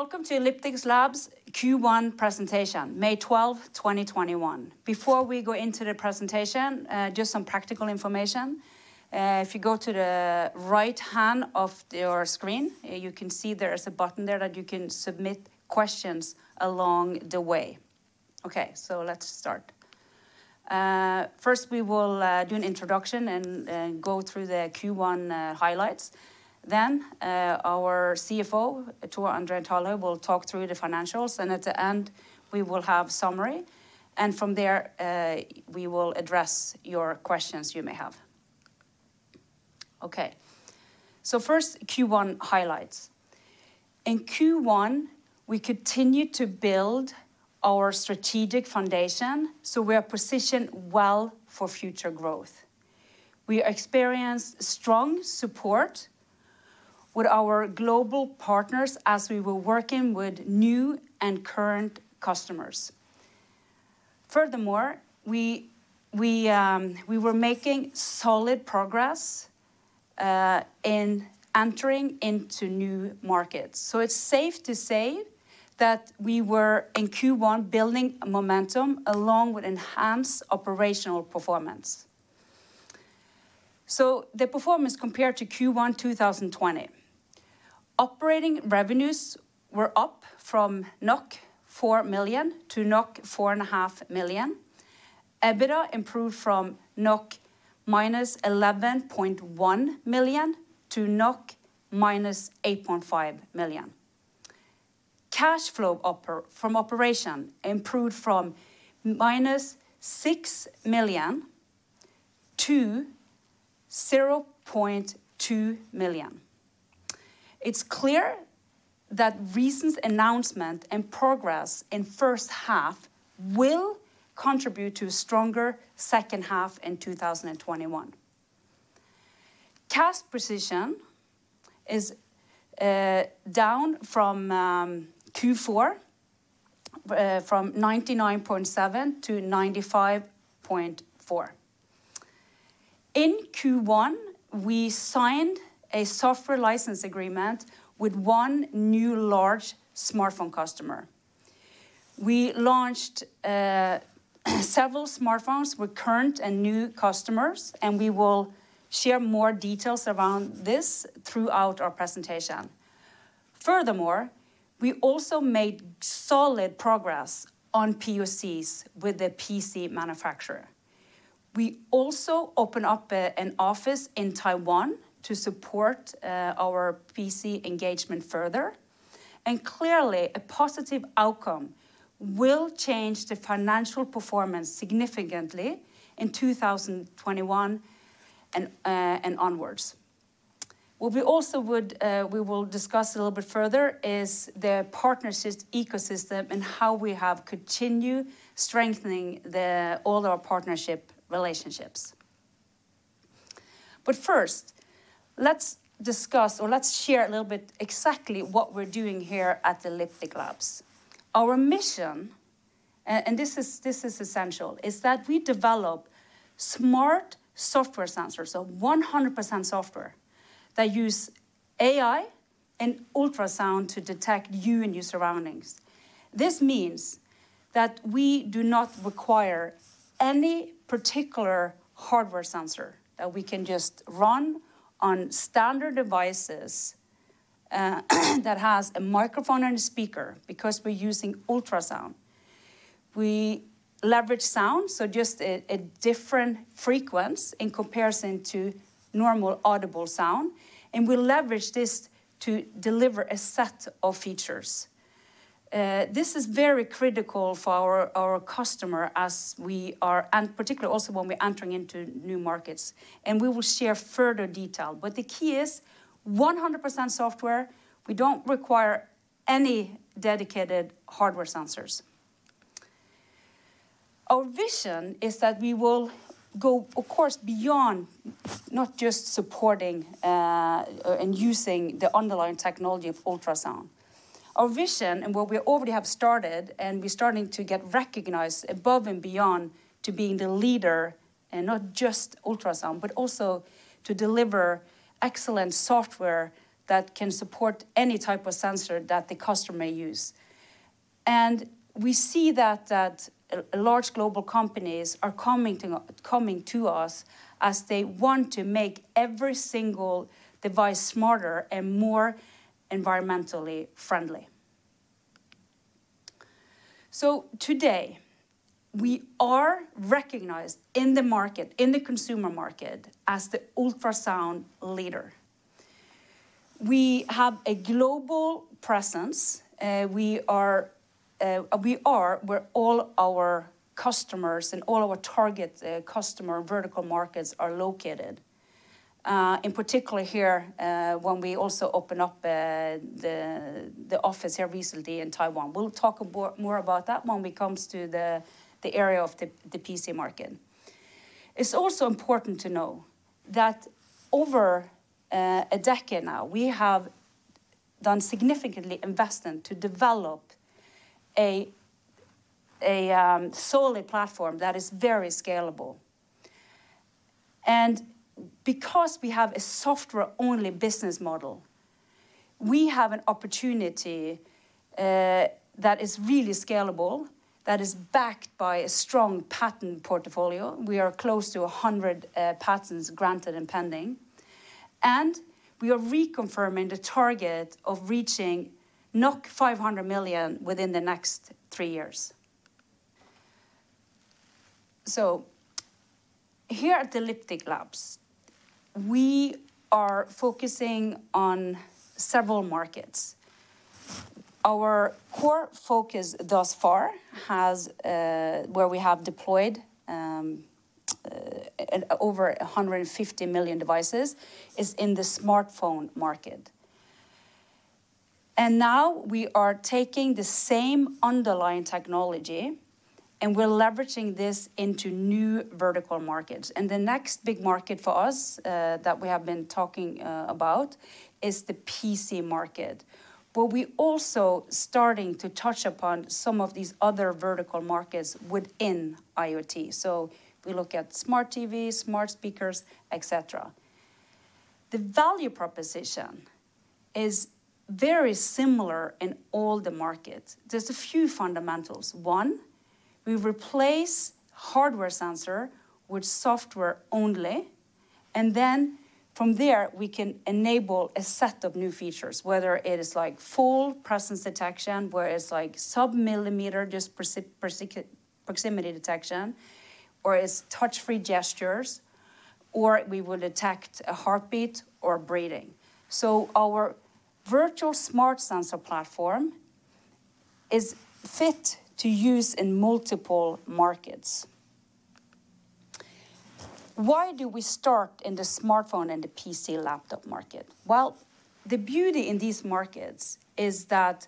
Welcome to Elliptic Labs Q1 presentation, May 12, 2021. Before we go into the presentation, just some practical information. If you go to the right hand of your screen, you can see there is a button there that you can submit questions along the way. Let's start. First, we will do an introduction and go through the Q1 highlights. Our CFO, Thor A. Talhaug, will talk through the financials, and at the end, we will have summary, and from there, we will address your questions you may have. First, Q1 highlights. In Q1, we continued to build our strategic foundation, so we are positioned well for future growth. We experienced strong support with our global partners as we were working with new and current customers. Furthermore, we were making solid progress in entering into new markets. It's safe to say that we were, in Q1, building momentum along with enhanced operational performance. The performance compared to Q1 2020. Operating revenues were up from 4 million-4.5 million NOK. EBITDA improved from -11.1 million--8.5 million NOK. Cash flow from operation improved from -6 million-0.2 million. It's clear that recent announcement and progress in first half will contribute to a stronger second half in 2021. Cash position is down from Q4, from 99.7-95.4. In Q1, we signed a software license agreement with one new large smartphone customer. We launched several smartphones with current and new customers, and we will share more details around this throughout our presentation. Furthermore, we also made solid progress on POCs with a PC manufacturer. We also opened up an office in Taiwan to support our PC engagement further, clearly, a positive outcome will change the financial performance significantly in 2021 and onwards. What we will discuss a little bit further is the partnerships ecosystem and how we have continued strengthening all our partnership relationships. First, let's discuss, or let's share a little bit exactly what we're doing here at Elliptic Labs. Our mission, and this is essential, is that we develop smart software sensors, so 100% software, that use AI and ultrasound to detect you and your surroundings. This means that we do not require any particular hardware sensor, that we can just run on standard devices that has a microphone and a speaker, because we're using ultrasound. We leverage sound, so just a different frequency in comparison to normal audible sound, we leverage this to deliver a set of features. This is very critical for our customer particularly also when we're entering into new markets, and we will share further detail. The key is 100% software. We don't require any dedicated hardware sensors. Our vision is that we will go, of course, beyond not just supporting and using the underlying technology of ultrasound. Our vision and what we already have started, and we're starting to get recognized above and beyond to being the leader in not just ultrasound, but also to deliver excellent software that can support any type of sensor that the customer may use. We see that large global companies are coming to us as they want to make every single device smarter and more environmentally friendly. Today, we are recognized in the market, in the consumer market, as the ultrasound leader. We have a global presence. We are where all our customers and all our target customer vertical markets are located. In particular here, when we also open up the office here recently in Taiwan. We'll talk more about that when we come to the area of the PC market. It's also important to know that over a decade now, we have done significant investment to develop a solid platform that is very scalable. And because we have a software-only business model, we have an opportunity that is really scalable, that is backed by a strong patent portfolio. We are close to 100 patents granted and pending, and we are reconfirming the target of reaching 500 million within the next three years. Here at Elliptic Labs, we are focusing on several markets. Our core focus thus far, where we have deployed over 150 million devices, is in the smartphone market. Now we are taking the same underlying technology and we're leveraging this into new vertical markets. The next big market for us that we have been talking about is the PC market. We're also starting to touch upon some of these other vertical markets within IoT. We look at smart TVs, smart speakers, et cetera. The value proposition is very similar in all the markets. There's a few fundamentals. One, we replace hardware sensor with software only, and then from there we can enable a set of new features, whether it is full presence detection, where it's sub-millimeter, just proximity detection, or it's touch-free gestures, or we would detect a heartbeat or breathing. Our virtual smart sensor platform is fit to use in multiple markets. Why do we start in the smartphone and the PC laptop market? The beauty in these markets is that,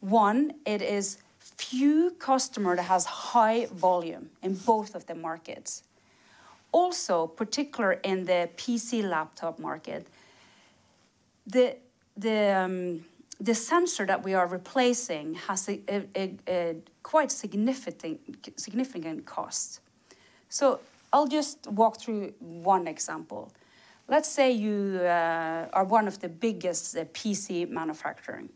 one, it is few customer that has high volume in both of the markets. Particular in the PC laptop market, the sensor that we are replacing has a quite significant cost. I'll just walk through one example. Let's say you are one of the biggest PC manufacturing,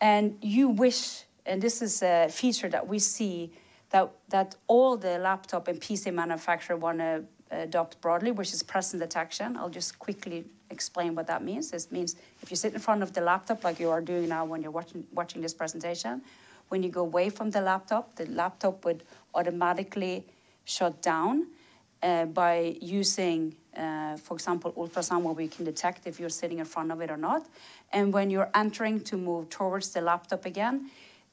and you wish, and this is a feature that we see that all the laptop and PC manufacturer want to adopt broadly, which is presence detection. I'll just quickly explain what that means. This means if you sit in front of the laptop like you are doing now when you're watching this presentation, when you go away from the laptop, the laptop would automatically shut down by using, for example, ultrasound, where we can detect if you're sitting in front of it or not. When you're entering to move towards the laptop again,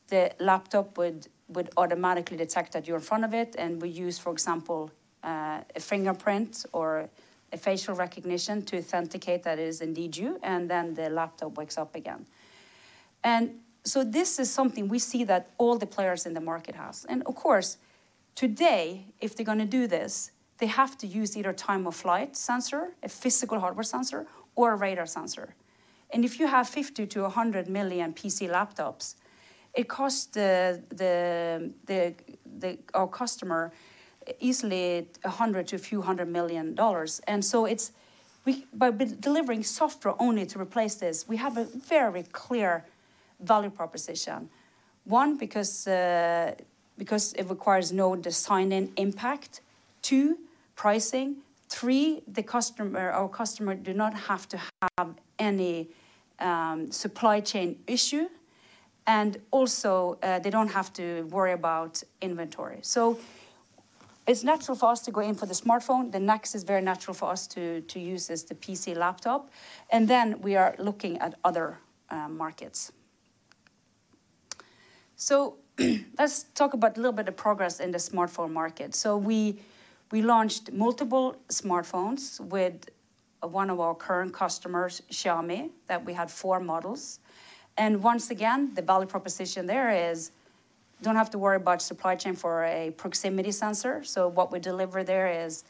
the laptop would automatically detect that you're in front of it, and we use, for example, a fingerprint or a facial recognition to authenticate that it is indeed you, and then the laptop wakes up again. This is something we see that all the players in the market has. Of course, today, if they're going to do this, they have to use either time-of-flight sensor, a physical hardware sensor, or a radar sensor. If you have 50 million-100 million PC laptops, it costs our customer easily $100 million to a few hundred million dollars. By delivering software only to replace this, we have a very clear value proposition. One, because it requires no design-in impact. Two, pricing. Three, our customer do not have to have any supply chain issue. Also, they don't have to worry about inventory. It's natural for us to go in for the smartphone. The next is very natural for us to use is the PC laptop, and then we are looking at other markets. Let's talk about a little bit of progress in the smartphone market. We launched multiple smartphones with one of our current customers, Xiaomi, that we have four models. Once again, the value proposition there is don't have to worry about supply chain for a proximity sensor. What we deliver there is,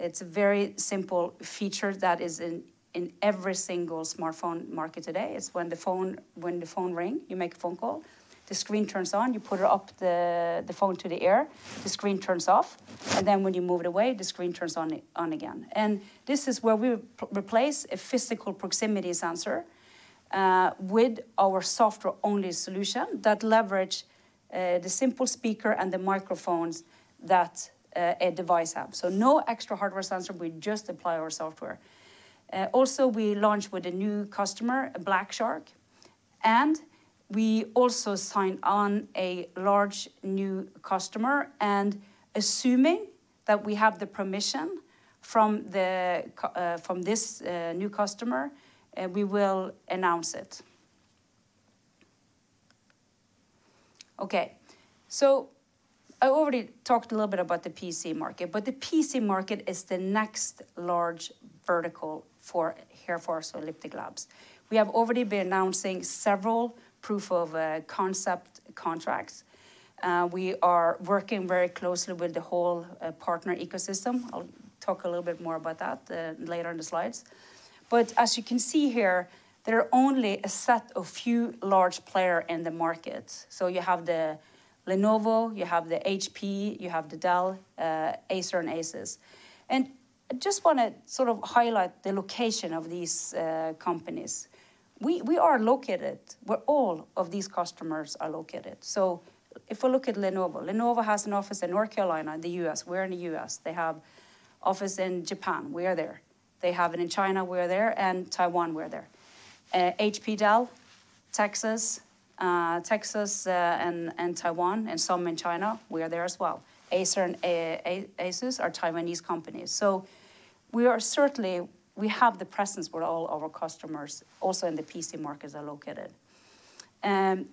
it's a very simple feature that is in every single smartphone market today, is when the phone ring, you make a phone call, the screen turns on, you put it up the phone to the ear, the screen turns off, and then when you move it away, the screen turns on again. This is where we replace a physical proximity sensor with our software-only solution that leverage the simple speaker and the microphones that a device have. No extra hardware sensor, we just apply our software. Also, we launch with a new customer, Black Shark, and we also sign on a large new customer, and assuming that we have the permission from this new customer, we will announce it. Okay. I already talked a little bit about the PC market, but the PC market is the next large vertical here for us at Elliptic Labs. We have already been announcing several proof of concept contracts. We are working very closely with the whole partner ecosystem. I'll talk a little bit more about that later in the slides. As you can see here, there are only a set of few large player in the market. You have the Lenovo, you have the HP, you have the Dell, Acer, and Asus. I just want to highlight the location of these companies. We are located where all of these customers are located. If we look at Lenovo has an office in North Carolina in the U.S. We're in the U.S. They have office in Japan. We are there. They have it in China. We're there. Taiwan, we're there. HP, Dell, Texas, and Taiwan, and some in China, we are there as well. Acer and Asus are Taiwanese companies. We have the presence where all of our customers also in the PC markets are located.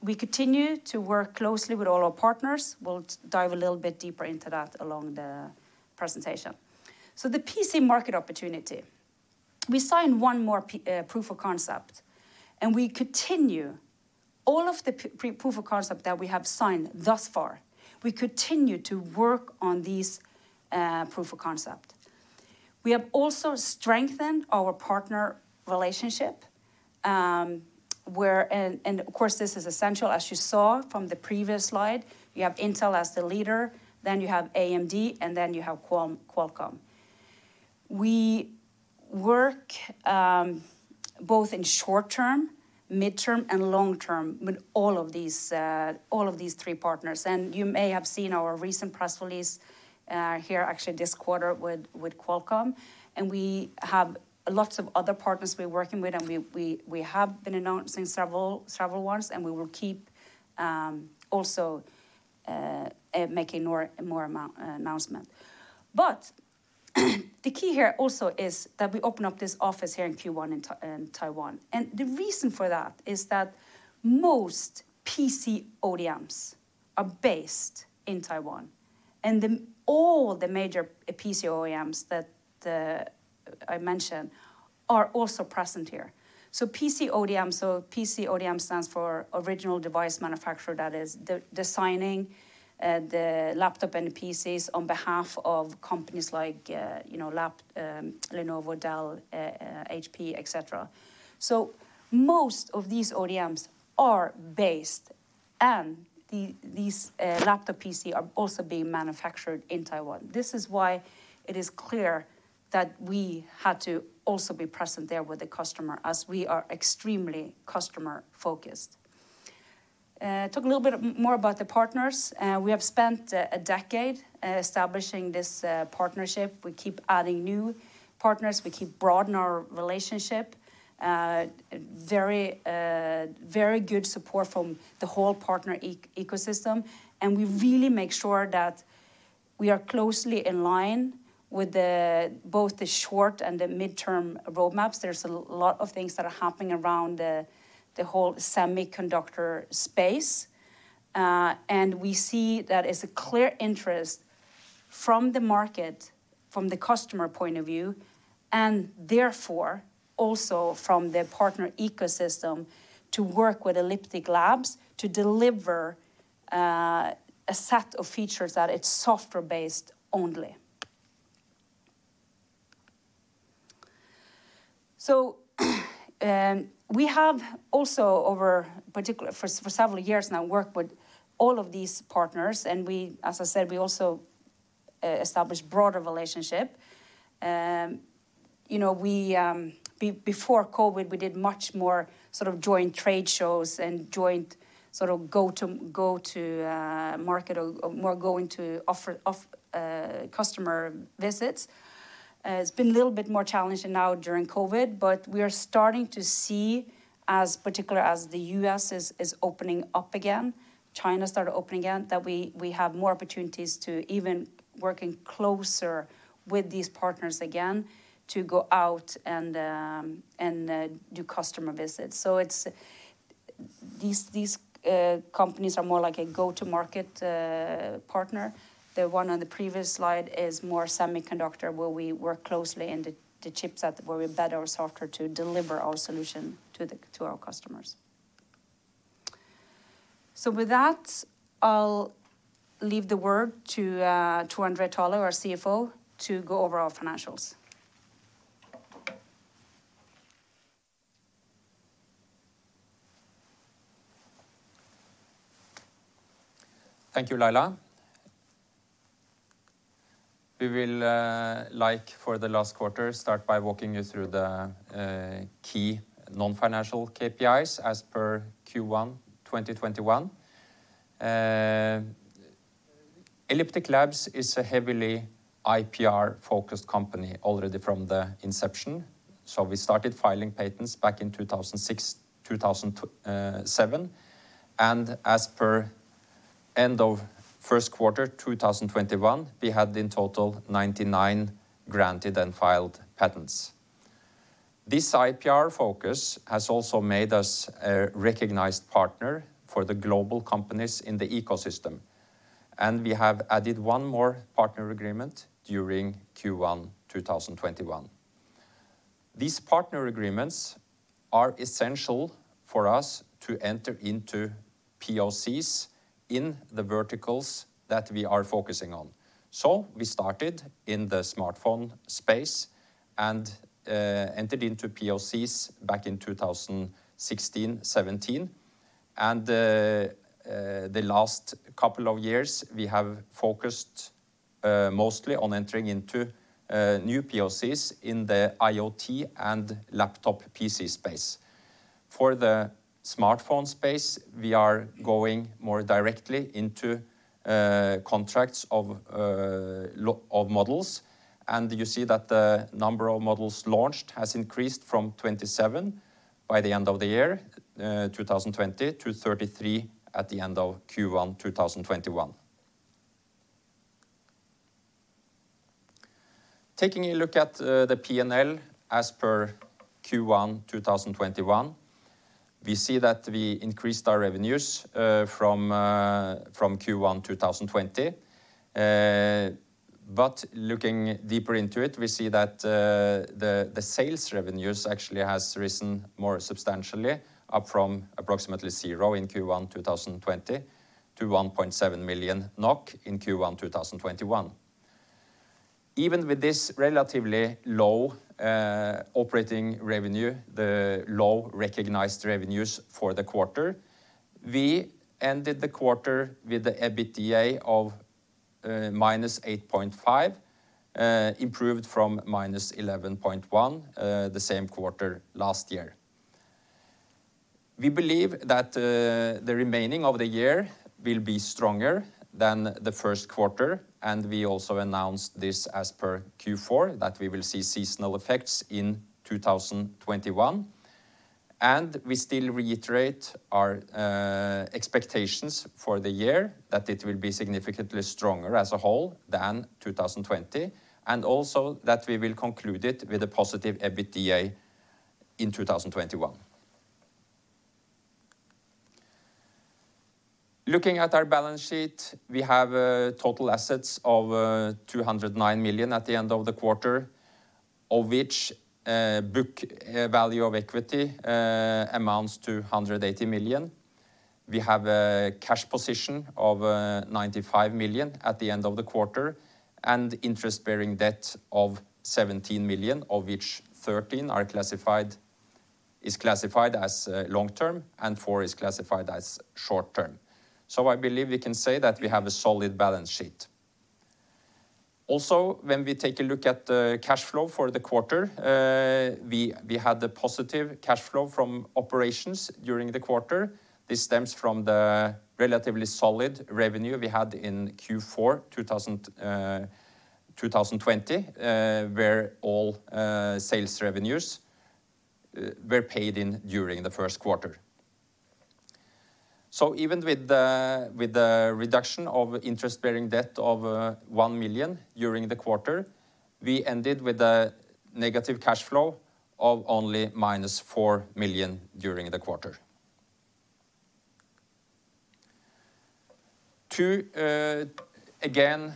We continue to work closely with all our partners. We'll dive a little bit deeper into that along the presentation. The PC market opportunity, we signed one more proof of concept, and we continue all of the proof of concept that we have signed thus far. We continue to work on these proof of concept. We have also strengthened our partner relationship, where, and of course, this is essential, as you saw from the previous slide. You have Intel as the leader, then you have AMD, and then you have Qualcomm. We work both in short term, midterm, and long term with all of these three partners. You may have seen our recent press release here actually this quarter with Qualcomm. We have lots of other partners we're working with, and we have been announcing several ones, and we will keep also making more announcement. The key here also is that we open up this office here in Q1 in Taiwan. The reason for that is that most PC ODMs are based in Taiwan, and all the major PC OEMs that I mentioned are also present here. PC ODM stands for original device manufacturer. That is designing the laptop and PCs on behalf of companies like Lenovo, Dell, HP, et cetera. Most of these ODMs are based, and these laptop PC are also being manufactured in Taiwan. This is why it is clear that we had to also be present there with the customer as we are extremely customer-focused. Talk a little bit more about the partners. We have spent a decade establishing this partnership. We keep adding new partners. We keep broadening our relationship. Very good support from the whole partner ecosystem, and we really make sure that we are closely in line with both the short and the midterm roadmaps. There's a lot of things that are happening around the whole semiconductor space. We see that it's a clear interest from the market, from the customer point of view, and therefore, also from the partner ecosystem to work with Elliptic Labs to deliver a set of features that it's software-based only. We have also over for several years now worked with all of these partners, and as I said, we also established broader relationship. Before COVID, we did much more joint trade shows and joint go-to-market or more go into customer visits. It's been a little bit more challenging now during COVID, but we are starting to see as particular as the U.S. is opening up again, China started opening again, that we have more opportunities to even working closer with these partners again to go out and do customer visits. These companies are more like a go-to-market partner. The one on the previous slide is more semiconductor, where we work closely in the chipset where we embed our software to deliver our solution to our customers. With that, I'll leave the word to Thor A. Talhaug, our CFO, to go over our financials. Thank you, Laila. We will like for the last quarter start by walking you through the key non-financial KPIs as per Q1 2021. Elliptic Labs is a heavily IPR-focused company already from the inception. We started filing patents back in 2006, 2007, and as per end of first quarter 2021, we had in total 99 granted and filed patents. This IPR focus has also made us a recognized partner for the global companies in the ecosystem, and we have added one more partner agreement during Q1 2021. These partner agreements are essential for us to enter into POCs in the verticals that we are focusing on. We started in the smartphone space and entered into POCs back in 2016, 2017, and the last couple of years, we have focused mostly on entering into new POCs in the IoT and laptop PC space. For the smartphone space, we are going more directly into contracts of models, and you see that the number of models launched has increased from 27 by the end of the year 2020 to 33 at the end of Q1 2021. Taking a look at the P&L as per Q1 2021, we see that we increased our revenues from Q1 2020. Looking deeper into it, we see that the sales revenues actually has risen more substantially up from approximately zero in Q1 2020 to 1.7 million NOK in Q1 2021. Even with this relatively low operating revenue, the low recognized revenues for the quarter, we ended the quarter with the EBITDA of -8.5, improved from -11.1 the same quarter last year. We believe that the remaining of the year will be stronger than the first quarter, and we also announced this as per Q4, that we will see seasonal effects in 2021. We still reiterate our expectations for the year, that it will be significantly stronger as a whole than 2020, and also that we will conclude it with a positive EBITDA in 2021. Looking at our balance sheet, we have total assets of 209 million at the end of the quarter, of which book value of equity amounts to 180 million. We have a cash position of 95 million at the end of the quarter and interest-bearing debt of 17 million, of which 13 is classified as long-term and 4 is classified as short-term. I believe we can say that we have a solid balance sheet. Also, when we take a look at the cash flow for the quarter, we had the positive cash flow from operations during the quarter. This stems from the relatively solid revenue we had in Q4 2020, where all sales revenues were paid in during the first quarter. Even with the reduction of interest-bearing debt of 1 million during the quarter, we ended with a negative cash flow of only -4 million during the quarter. To, again,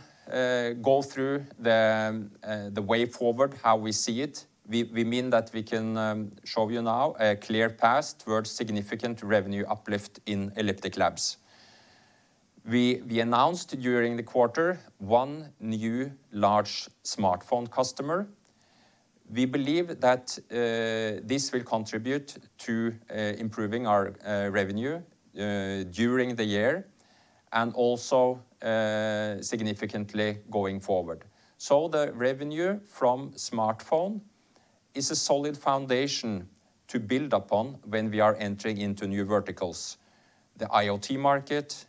go through the way forward, how we see it, we mean that we can show you now a clear path towards significant revenue uplift in Elliptic Labs. We announced during the quarter one new large smartphone customer. We believe that this will contribute to improving our revenue during the year and also significantly going forward. The revenue from smartphone is a solid foundation to build upon when we are entering into new verticals, the IoT market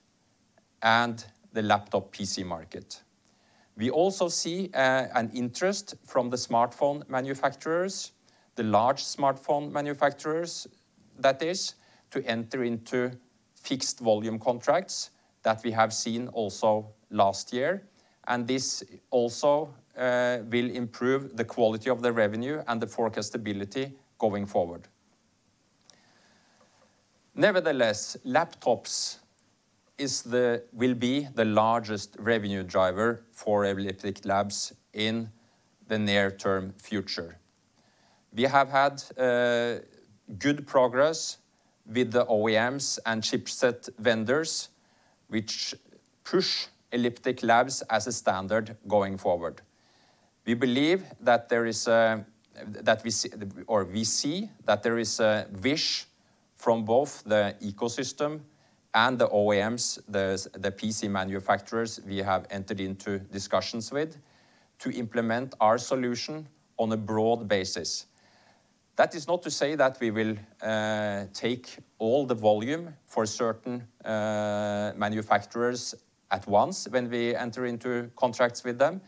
and the laptop PC market. We also see an interest from the smartphone manufacturers, the large smartphone manufacturers, that is, to enter into fixed volume contracts that we have seen also last year, and this also will improve the quality of the revenue and the forecastability going forward. Nevertheless, laptops will be the largest revenue driver for Elliptic Labs in the near-term future. We have had good progress with the OEMs and chipset vendors, which push Elliptic Labs as a standard going forward. We see that there is a wish from both the ecosystem and the OEMs, the PC manufacturers we have entered into discussions with, to implement our solution on a broad basis. That is not to say that we will take all the volume for certain manufacturers at once when we enter into contracts with them.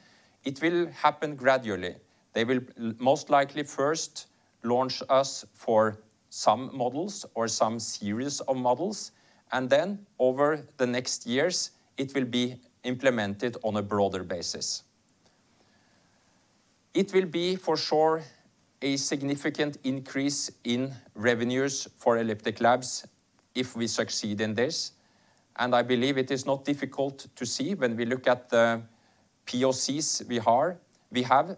It will happen gradually. They will most likely first launch us for some models or some series of models, and then over the next years, it will be implemented on a broader basis. It will be, for sure, a significant increase in revenues for Elliptic Labs if we succeed in this. I believe it is not difficult to see when we look at the POCs we have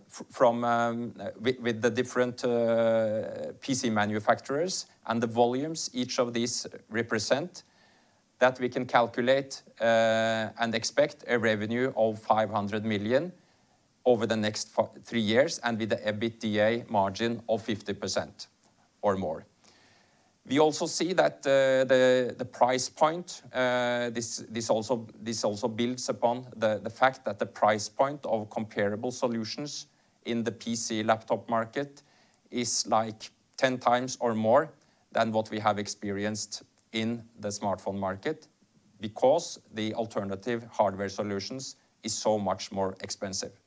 with the different PC manufacturers and the volumes each of these represent, that we can calculate and expect a revenue of 500 million over the next three years, and with the EBITDA margin of 50% or more. We also see that the price point, this also builds upon the fact that the price point of comparable solutions in the PC laptop market is 10 times or more than what we have experienced in the smartphone market, because the alternative hardware solutions is so much more expensive.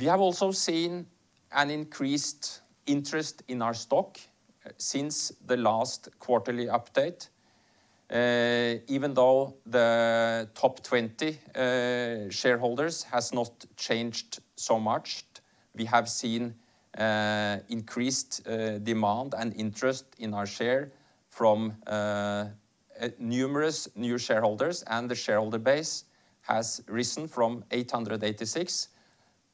We have also seen an increased interest in our stock since the last quarterly update. Even though the top 20 shareholders has not changed so much, we have seen increased demand and interest in our share from numerous new shareholders, and the shareholder base has risen from 886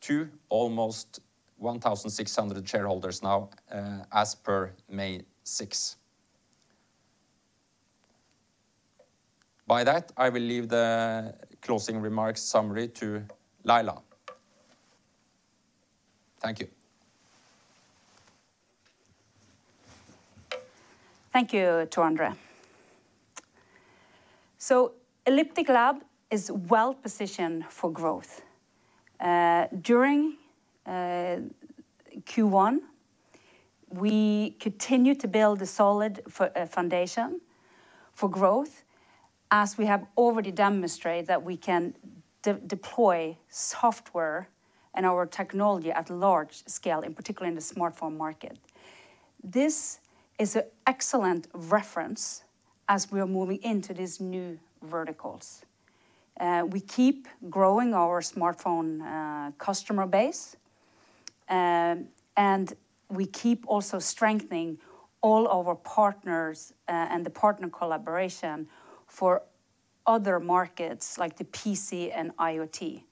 to almost 1,600 shareholders now as per May 6. By that, I will leave the closing remarks summary to Laila. Thank you. Thank you, Thor A. Talhaug. Elliptic Labs is well-positioned for growth. During Q1, we continued to build a solid foundation for growth, as we have already demonstrated that we can deploy software and our technology at large scale, in particular in the smartphone market. This is an excellent reference as we are moving into these new verticals. We keep growing our smartphone customer base, and we keep also strengthening all our partners and the partner collaboration for other markets like the PC and IoT.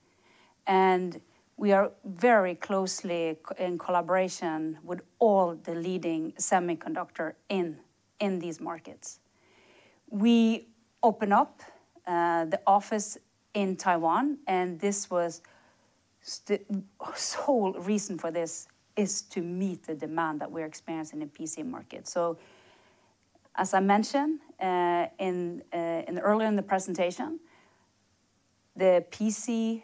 We are very closely in collaboration with all the leading semiconductor in these markets. We open up the office in Taiwan, and whole reason for this is to meet the demand that we're experiencing in PC market. As I mentioned earlier in the presentation, the PC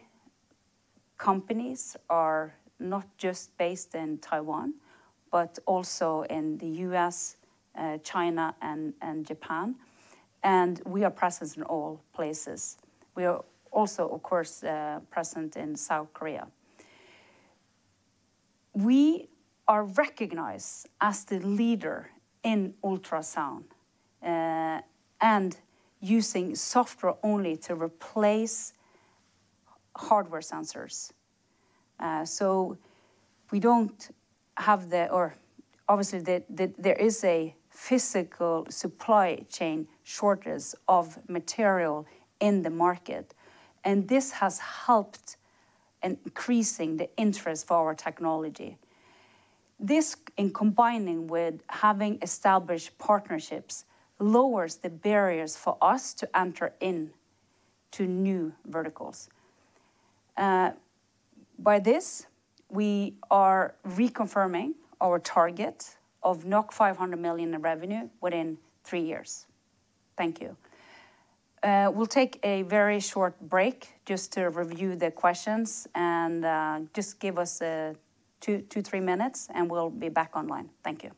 companies are not just based in Taiwan, but also in the U.S., China, and Japan, and we are present in all places. We are also, of course, present in South Korea. We are recognized as the leader in ultrasound, and using software only to replace hardware sensors. Obviously, there is a physical supply chain shortage of material in the market, and this has helped in increasing the interest for our technology. This, in combining with having established partnerships, lowers the barriers for us to enter in to new verticals. By this, we are reconfirming our target of 500 million in revenue within three years. Thank you. We'll take a very short break just to review the questions and just give us two, three minutes and we'll be back online. Thank you.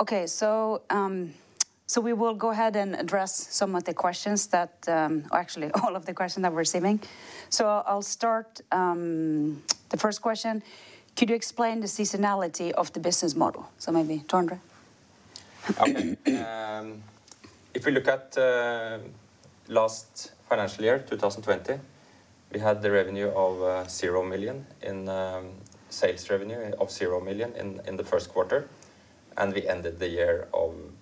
Okay. We will go ahead and address all of the questions that we're receiving. I'll start the first question. Could you explain the seasonality of the business model? Maybe Thor A. Talhaug? Okay. If we look at last financial year, 2020, we had the revenue of 0 million in sales revenue of 0 million in the first quarter. We ended the year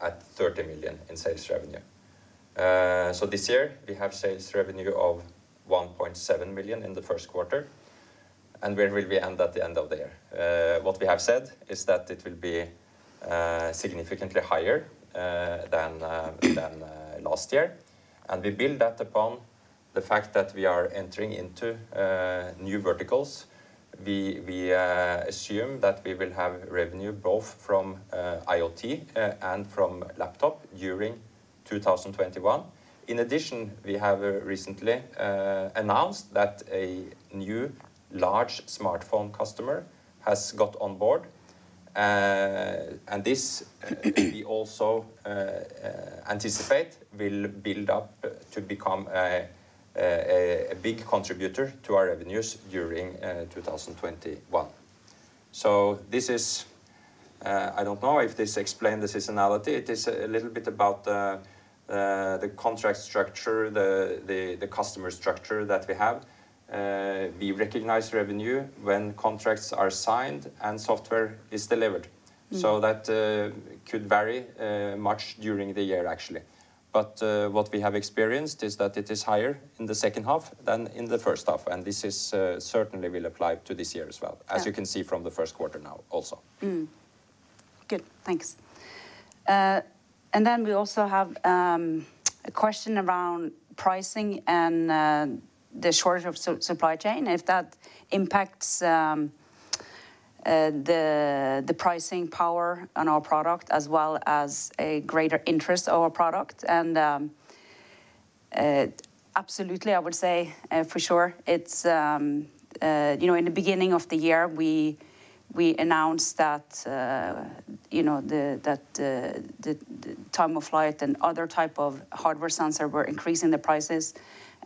at 30 million in sales revenue. This year we have sales revenue of 1.7 million in the first quarter. Where will we end at the end of the year? What we have said is that it will be significantly higher than last year. We build that upon the fact that we are entering into new verticals. We assume that we will have revenue both from IoT and from laptop during 2021. In addition, we have recently announced that a new large smartphone customer has got on board. This we also anticipate will build up to become a big contributor to our revenues during 2021. This is, I don't know if this explain the seasonality. It is a little bit about the contract structure, the customer structure that we have. We recognize revenue when contracts are signed and software is delivered. That could vary much during the year actually. What we have experienced is that it is higher in the second half than in the first half, and this certainly will apply to this year as well. Yeah As you can see from the first quarter now also. Good. Thanks. We also have a question around pricing and the shortage of supply chain, if that impacts the pricing power on our product as well as a greater interest of our product. Absolutely, I would say for sure, in the beginning of the year, we announced that the time-of-flight sensor and other type of hardware sensor were increasing the prices.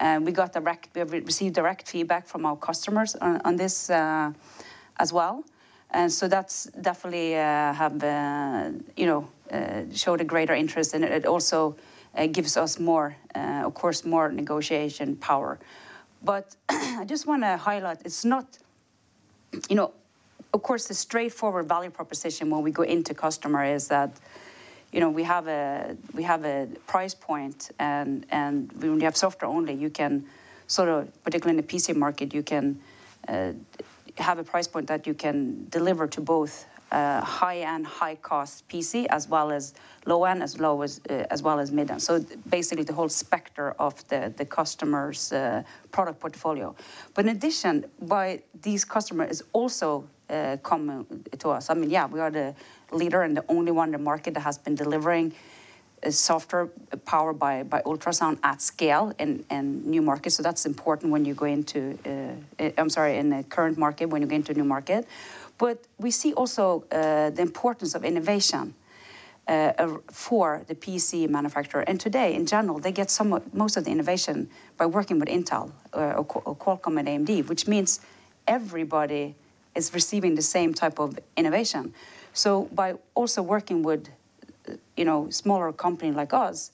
We received direct feedback from our customers on this as well. That's definitely showed a greater interest and it also gives us, of course, more negotiation power. I just want to highlight it's not, of course, the straightforward value proposition when we go into customer is that we have a price point, and when we have software only, you can sort of, particularly in the PC market, you can have a price point that you can deliver to both high-end, high-cost PC as well as low-end, as well as mid-end. Basically the whole spectrum of the customer's product portfolio. In addition, why these customer is also coming to us, yeah, we are the leader and the only one in the market that has been delivering software powered by ultrasound at scale in new markets, that's important in the current market when you go into a new market. We see also the importance of innovation for the PC manufacturer. Today, in general, they get most of the innovation by working with Intel or Qualcomm and AMD, which means everybody is receiving the same type of innovation. By also working with smaller company like us,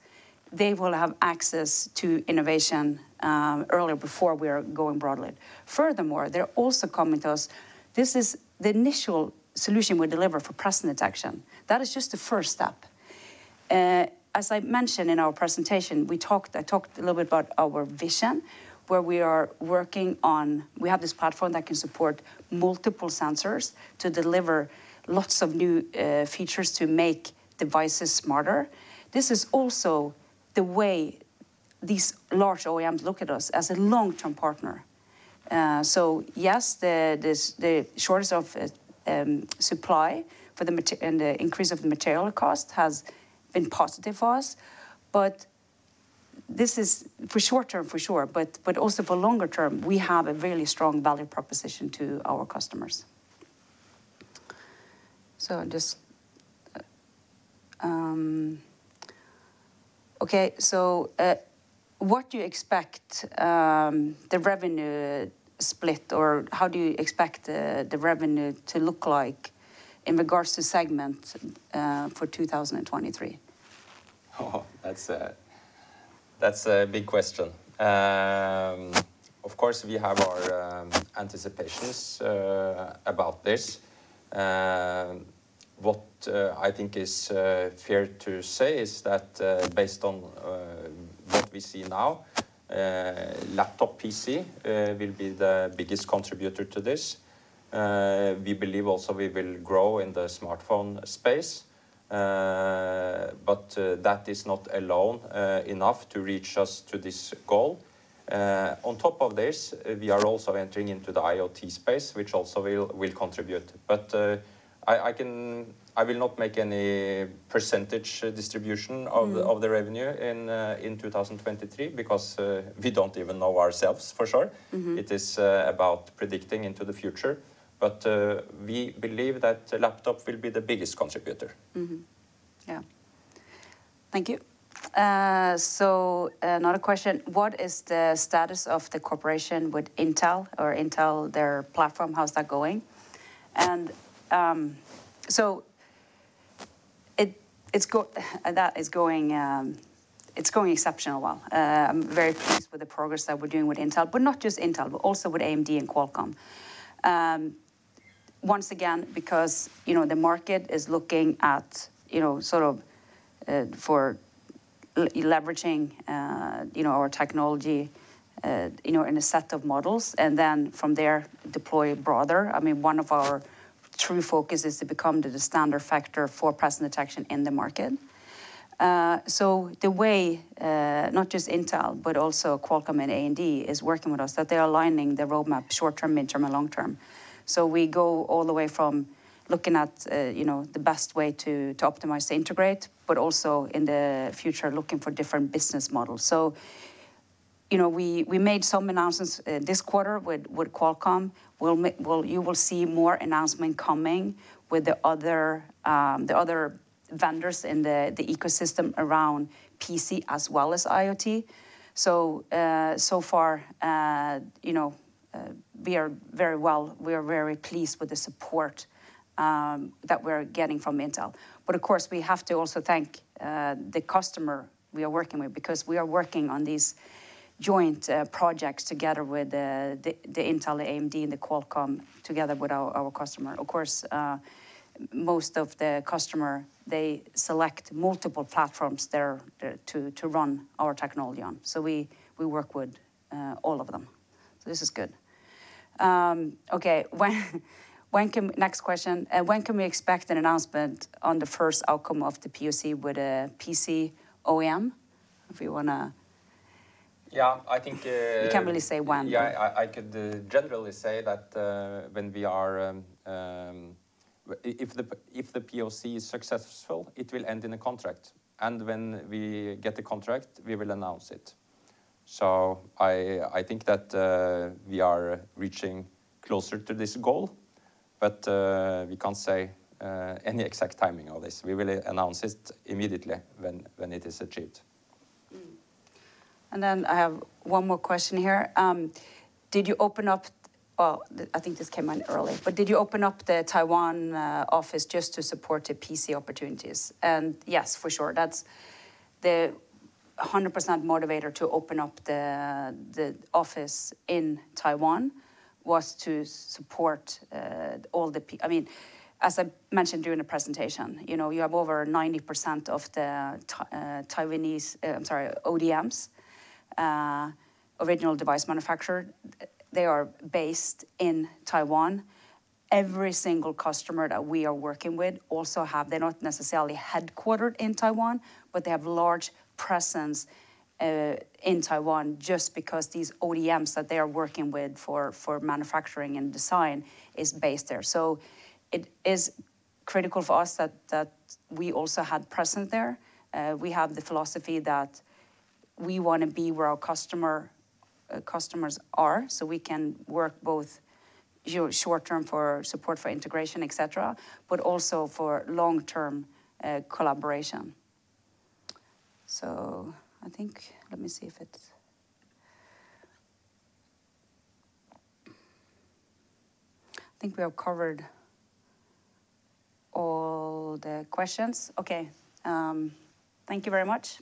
they will have access to innovation earlier before we are going broadly. Furthermore, they're also coming to us, this is the initial solution we deliver for presence detection. That is just the first step. As I mentioned in our presentation, I talked a little bit about our vision, where we are working on, we have this platform that can support multiple sensors to deliver lots of new features to make devices smarter. This is also the way these large OEMs look at us, as a long-term partner. Yes, the shortage of supply and the increase of the material cost has been positive for us. This is for short term for sure, but also for longer term, we have a really strong value proposition to our customers. Just, okay. What do you expect the revenue split, or how do you expect the revenue to look like in regards to segment for 2023? Oh, that's a big question. Of course, we have our anticipations about this. What I think is fair to say is that, based on what we see now, laptop PC will be the biggest contributor to this. We believe also we will grow in the smartphone space. That is not alone enough to reach us to this goal. On top of this, we are also entering into the IoT space, which also will contribute. I will not make any percentage distribution of the revenue in 2023 because we don't even know ourselves for sure. It is about predicting into the future. We believe that laptop will be the biggest contributor. Mm-hmm. Yeah. Thank you. Another question, what is the status of the cooperation with Intel, their platform? How's that going? That is going exceptionally well. I'm very pleased with the progress that we're doing with Intel, but not just Intel, but also with AMD and Qualcomm. Once again, because the market is looking at leveraging our technology in a set of models, and then from there deploy broader. One of our true focus is to become the standard factor for presence detection in the market. The way, not just Intel, but also Qualcomm and AMD is working with us, that they're aligning their roadmap short-term, mid-term, and long-term. We go all the way from looking at the best way to optimize, to integrate, but also in the future, looking for different business models. We made some announcements this quarter with Qualcomm. You will see more announcement coming with the other vendors in the ecosystem around PC as well as IoT. Far we are very pleased with the support that we're getting from Intel. Of course, we have to also thank the customer we are working with because we are working on these joint projects together with the Intel, the AMD, and the Qualcomm together with our customer. Of course, most of the customer, they select multiple platforms to run our technology on. We work with all of them. This is good. Okay. Next question. When can we expect an announcement on the first outcome of the POC with a PC OEM? If you want to? Yeah. You can't really say when. Yeah, I could generally say that if the POC is successful, it will end in a contract. When we get the contract, we will announce it. I think that we are reaching closer to this goal, but we can't say any exact timing of this. We will announce it immediately when it is achieved. Then I have one more question here. I think this came in early, but did you open up the Taiwan office just to support the PC opportunities? Yes, for sure. The 100% motivator to open up the office in Taiwan was to support. As I mentioned during the presentation, you have over 90% of the Taiwanese, I'm sorry, ODMs, original device manufacturer, they are based in Taiwan. Every single customer that we are working with also have, they're not necessarily headquartered in Taiwan, but they have large presence in Taiwan just because these ODMs that they are working with for manufacturing and design is based there. It is critical for us that we also had presence there. We have the philosophy that we want to be where our customers are, so we can work both short-term for support, for integration, et cetera, but also for long-term collaboration. Let me see. I think we have covered all the questions. Okay. Thank you very much.